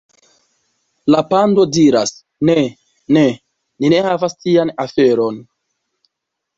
La pando diras: "Ne, ne. Ni ne havas tian aferon."